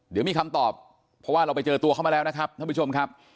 เดี๋ยวมีคำตอบเพราะว่าเราไปเจอตัวเข้ามาแล้วนะครับท่านผู้ชมครับ